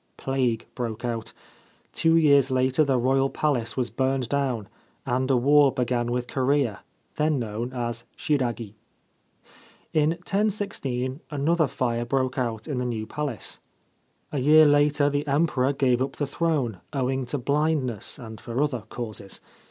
Plague broke out. Two years later the Royal Palace was burned down, and a war began with Korea, then known as ' Shiragi.' In 1016 another fire broke out in the new Palace. A year later the Emperor gave up the throne, owing to blindness and for other causes.